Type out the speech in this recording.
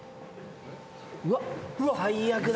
うわっ最悪だ。